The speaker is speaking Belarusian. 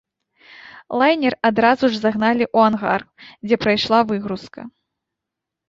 Лайнер адразу ж загналі ў ангар, дзе прайшла выгрузка.